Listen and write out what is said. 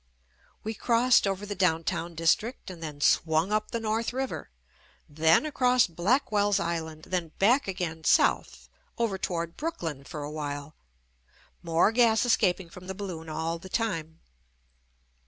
We crossed over the downtown dis trict and then swung up the North River, then across Blackwell's Island, then back again South over toward Brooklyn for a while, more gas escaping from the balloon all the time.